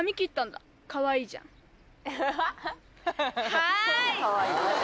はい！